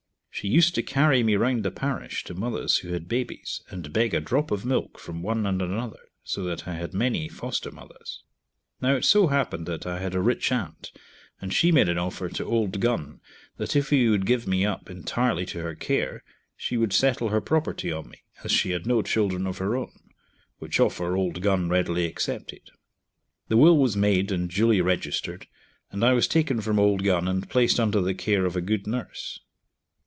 She used to carry me round the parish to mothers who had babies, and beg a drop of milk from one and another, so that I had many foster mothers. Now, it so happened that I had a rich aunt, and she made an offer to Old Gun that if he would give me up entirely to her care, she would settle her property on me, as she had no children of her own, which offer Old Gun readily accepted. The will was made and duly registered, and I was taken from Old Gun and placed under the care of a good nurse.